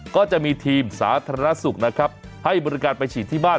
ก็จะมีทีมสาธารณสุขนะครับให้บริการไปฉีดที่บ้าน